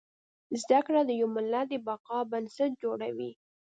زده کړه د يو ملت د بقا بنسټ جوړوي